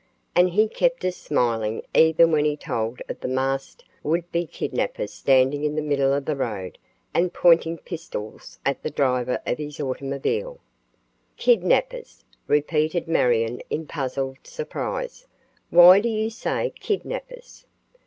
And he kept us smiling even when he told of the masked would be kidnappers standing in the middle of the road and pointing pistols at the driver of his automobile." "Kidnappers," repeated Marion in puzzled surprise. "Why do you say kidnappers?"